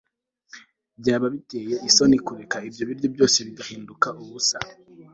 byaba biteye isoni kureka ibyo biryo byose bigahinduka ubusa